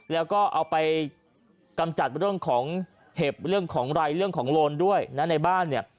แล้วก็เอาไปกำจัดเรื่องของเห็บเรื่องของไรเรื่องของโลนด้วยนะในบ้านเนี่ย